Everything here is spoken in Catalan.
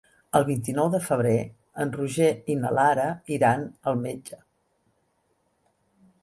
El vint-i-nou de febrer en Roger i na Lara iran al metge.